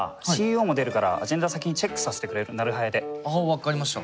分かりました。